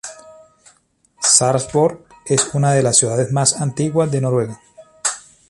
Sarpsborg es una de las ciudades más antiguas de Noruega.